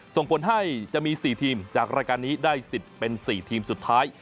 ส่งผลให้จะมี๔ทีมจากรายการนี้ได้สิทธิ์เป็น๔ทีมสุดท้าย